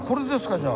じゃあ。